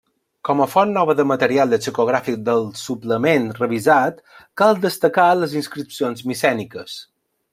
Com a font nova de material lexicogràfic del suplement revisat cal destacar les inscripcions micèniques.